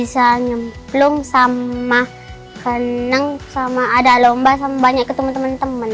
bisa nyemplung sama kenang sama ada lomba sama banyak ketemu teman teman